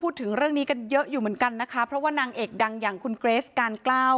พูดถึงเรื่องนี้กันเยอะอยู่เหมือนกันนะคะเพราะว่านางเอกดังอย่างคุณเกรสการกล้า